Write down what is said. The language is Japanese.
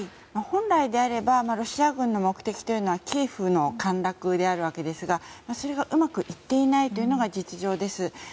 本来であればロシア軍の目的はキエフの陥落であるわけですがそれがうまくいっていないというのが実情です。